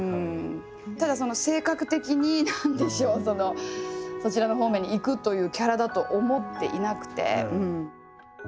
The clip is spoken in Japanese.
ただ性格的に何でしょうそちらの方面にいくというキャラだと思っていなくて。